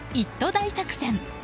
大作戦。